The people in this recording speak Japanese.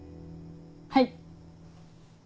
はい。